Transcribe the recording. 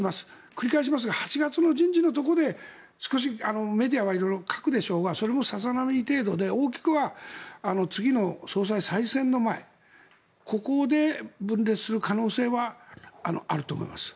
繰り返しますが８月の人事で少しメディアは色々書くでしょうがそれもさざ波程度で大きくは次の総裁、再選の前ここで分裂する可能性はあると思います。